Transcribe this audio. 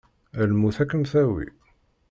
Lmut ad kem-tawi!